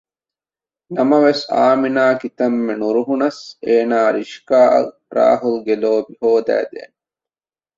ނަމަވެސް އާމިނާ ކިތަންމެ ނުރުހުނަސް އޭނާ ރިޝްކާއަށް ރާހުލްގެ ލޯބި ހޯދައިދޭނެ